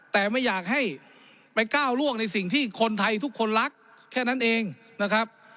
แต่ไม่อยากให้ไปก้าวล่วงในสิ่งที่คนไทยทุกคนรักแค่นั้นเองนะครับ